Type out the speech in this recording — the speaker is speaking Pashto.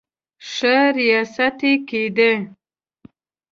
ښه ریاست یې کېدی.